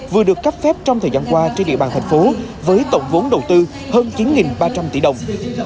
vừa được cấp phép trong thời gian qua trên địa bàn thành phố với tổng vốn đầu tư hơn chín ba trăm linh tỷ đồng